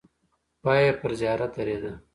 پای یې پر زیارت درېده.